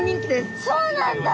そうなんだ。